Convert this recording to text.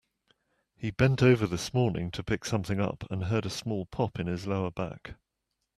He bent over this morning to pick something up and heard a small pop in his lower back.